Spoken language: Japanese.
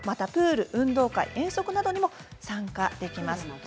プール、運動会、遠足などにも参加できます。